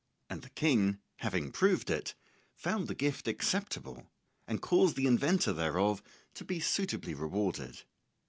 And the King, having proved it, found the gift acceptable and caused the inventor thereof to be suitably rewarded.